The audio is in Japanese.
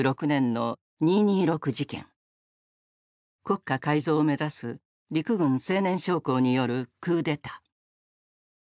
国家改造を目指す陸軍青年将校によるクーデター。